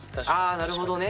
なるほどね。